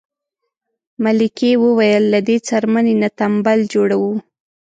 ملکې وویل له دې څرمنې نه تمبل جوړوو.